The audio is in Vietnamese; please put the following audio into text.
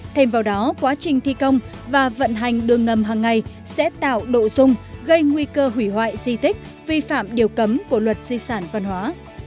thêm vào đó quá trình thi công và vận hành đường ngầm hằng ngày sẽ tạo độ dung gây nguy cơ hủy hoại di tích vi phạm điều cấm của luật di sản văn hóa